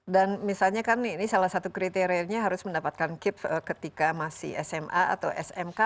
dan misalnya kan ini salah satu kriteriannya harus mendapatkan kip ketika masih sma atau smk